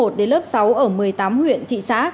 đến lớp sáu ở một mươi tám huyện thị xã